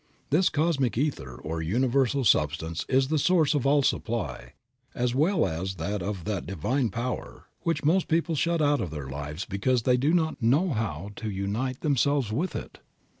This cosmic ether or universal substance is the source of all supply, as well as of that divine power, which most people shut out of their lives because they do not know how to unite themselves with it.